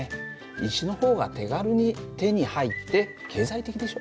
石の方が手軽に手に入って経済的でしょ。